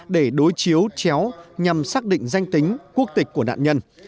để đối chiếu chéo nhằm xác định danh tính quốc tịch của nạn nhân